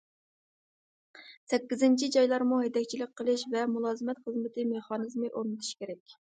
سەككىزىنچى، جايلارمۇ ھەيدەكچىلىك قىلىش ۋە مۇلازىمەت خىزمىتى مېخانىزمى ئورنىتىشى كېرەك.